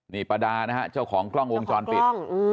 นี่ประดานะฮะเจ้าของกล้องวงจรปิด